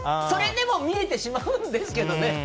それでも見えてしまうんですけどね